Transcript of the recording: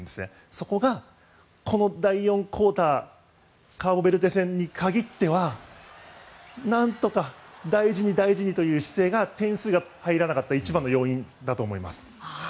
そこがこの第４クオーターカーボベルデ戦に限ってはなんとか大事に大事にという姿勢が点数が入らなかった一番の要因だと思います。